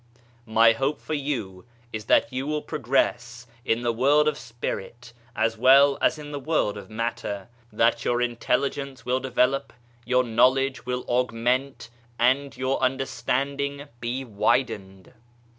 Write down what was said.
My hope for you is that you will progress in the World of Spirit, as well as in the world of matter ; that your intelligence will develop, your knowledge will augment, and your understanding be widened.